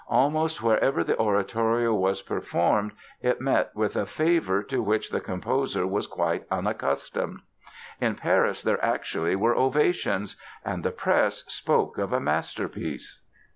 Almost wherever the oratorio was performed it met with a favor to which the composer was quite unaccustomed. In Paris there actually were ovations and the press spoke of a "masterpiece"!